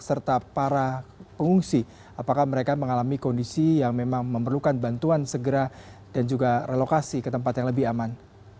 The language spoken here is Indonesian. serta para pengungsi apakah mereka mengalami kondisi yang memang memerlukan bantuan segera dan juga relokasi ke tempat yang lebih aman